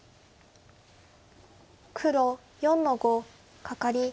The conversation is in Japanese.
黒４の五カカリ。